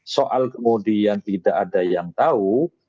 soal kemudian tidak ada yang tahu